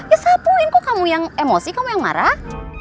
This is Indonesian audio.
ya sapuin kok kamu yang emosi kamu yang marah